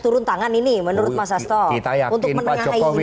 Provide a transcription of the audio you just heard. turun tangan ini menurut mas astok